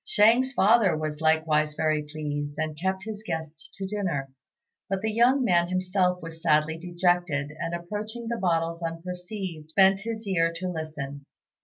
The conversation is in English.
Shang's father was likewise very pleased, and kept his guest to dinner; but the young man himself was sadly dejected, and approaching the bottles unperceived, bent his ear to listen.